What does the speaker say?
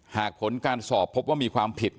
หากผลการสอบพบว่ามีความผิด